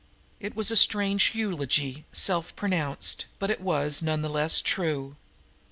It was a strange eulogy, self pronounced! But it was none the less true.